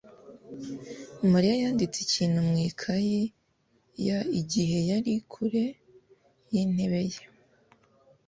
Mariya yanditse ikintu mu ikaye ya igihe yari kure yintebe ye.